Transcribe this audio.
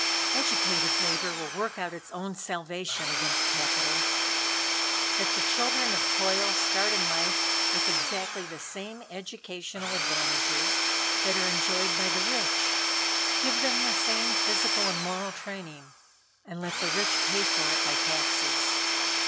Educated Labor will work out its own salvation against Capital. Let the children of toil start in life with exactly the same educational advantages that are enjoyed by the rich. Give them the same physical and moral training, and let the rich pay for it by taxes."